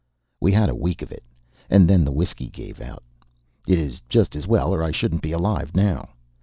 We had a week of it, and then the whiskey gave out. It is just as well, or I shouldn't be alive now.